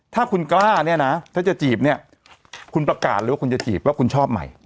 ถ้าคุณกล้าเนี่ยนะถ้าจะจีบเนี่ยคุณประกาศเลยว่าคุณจะจีบว่าคุณชอบใหม่